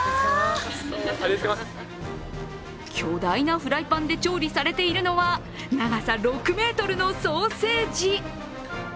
巨大なフライパンで調理されているのは長さ６ｍのソーセージ。